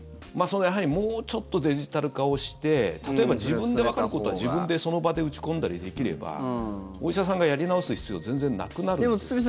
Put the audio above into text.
もうちょっとデジタル化をして例えば自分でわかることは自分でその場で打ち込んだりできればお医者さんがやり直す必要全然なくなるんですけど。